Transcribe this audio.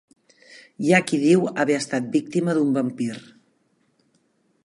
Hi ha qui diu haver estat víctima d'un vampir.